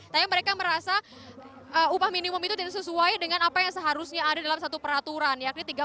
tapi mereka merasa upah minimum itu tidak sesuai dengan apa yang seharusnya ada dalam satu peraturan yakni tiga puluh